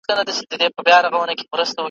کله دي وران کړي زلزلې کله توپان وطنه `